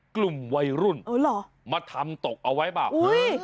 กลุ่มวัยรุ่นมาทำตกเอาไว้เปล่าเฮ้ย